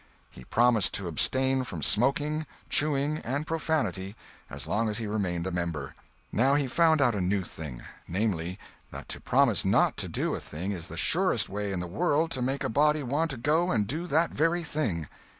He promised to abstain from smoking, chewing, and profanity as long as he remained a member. Now he found out a new thing—namely, that to promise not to do a thing is the surest way in the world to make a body want to go and do that very thing.